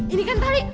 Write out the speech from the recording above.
ini kan tali